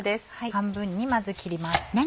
半分にまず切ります。